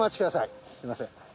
すみません。